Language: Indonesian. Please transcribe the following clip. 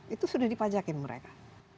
itu sudah dipajakin mereka